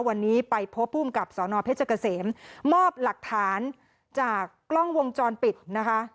วันนี้ไปพบภูมิกับสนเพชรเกษมมอบหลักฐานจากกล้องวงจรปิดนะคะ